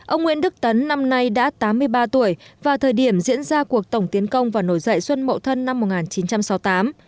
ông nguyễn đức tấn năm nay đã tám mươi ba tuổi vào thời điểm diễn ra cuộc tổng tiến công và nổi dậy xuân mậu thân năm một nghìn chín trăm sáu mươi tám